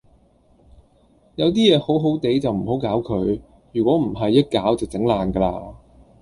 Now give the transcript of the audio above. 有啲嘢好好地就唔好搞佢，如果唔係一搞就整爛㗎啦